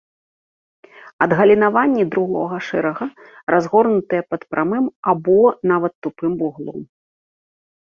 Адгалінаванні другога шэрага разгорнутыя пад прамым або нават тупым вуглом.